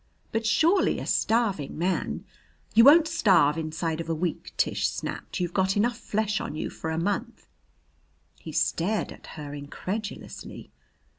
"But surely a starving man " "You won't starve inside of a week," Tish snapped. "You've got enough flesh on you for a month." He stared at her incredulously.